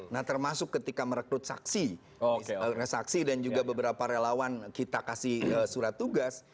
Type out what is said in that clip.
nah termasuk ketika merekrut saksi dan juga beberapa relawan kita kasih surat tugas